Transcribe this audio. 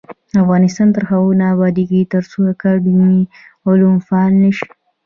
افغانستان تر هغو نه ابادیږي، ترڅو اکاډمي علوم فعاله نشي.